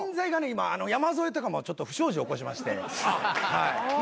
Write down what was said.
今山添とかもちょっと不祥事起こしまして。